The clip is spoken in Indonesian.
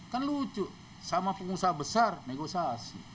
kan lucu sama pengusaha besar negosiasi